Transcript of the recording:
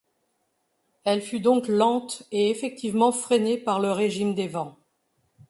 Elle fut donc lente et effectivement freinée par le régime des vents.